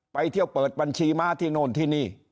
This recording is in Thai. ไปเที่ยวเปิดบัญชีม้าที่โน่นที่นี่